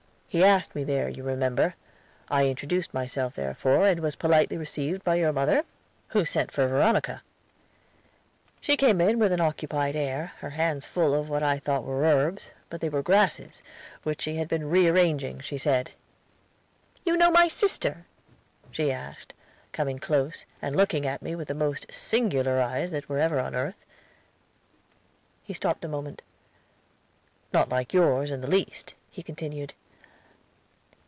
He asked me there, you remember. I introduced myself, therefore, and was politely received by your mother, who sent for Veronica. She came in with an occupied air, her hands full of what I thought were herbs; but they were grasses, which she had been re arranging, she said. "'You know my sister?' she asked, coming close, and looking at me with the most singular eyes that were ever on earth." He stopped a moment. "Not like yours, in the least," he continued.